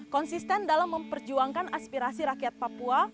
konsisten dalam memperjuangkan aspirasi rakyat papua